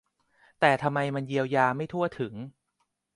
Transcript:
แต่ทำไมมันเยียวยาไม่ทั่วถึง